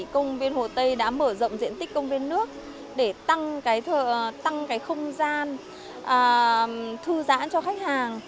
công viên hồ tây đã mở rộng diện tích công viên nước để tăng không gian thư giãn cho khách hàng